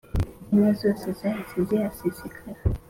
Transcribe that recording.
Inka zose zahise zihasesekara